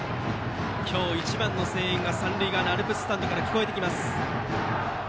今日一番の声援が三塁側のアルプススタンドから聞こえてきます。